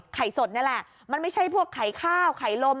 สดนี่แหละมันไม่ใช่พวกไข่ข้าวไข่ลม